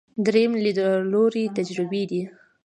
درېیم لیدلوری تجربي دی.